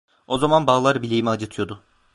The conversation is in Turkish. O zaman bağlar bileğimi acıtıyordu…